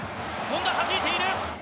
権田、はじいている！